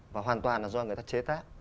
và hoàn toàn là do người ta chế tác